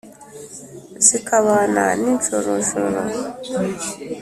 Zikabana n'injorojoro,